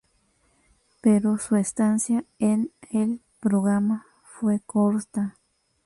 Pero su estancia en el programa fue corta.